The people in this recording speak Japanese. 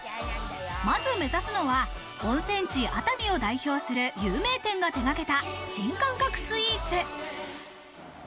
まず目指すのは温泉地・熱海を代表する有名店が手がけた新感覚スイーツ。